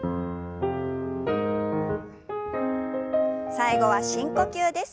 最後は深呼吸です。